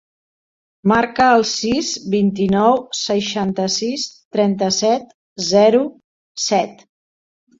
Marca el sis, vint-i-nou, seixanta-sis, trenta-set, zero, set.